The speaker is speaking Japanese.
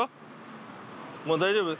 もう大丈夫？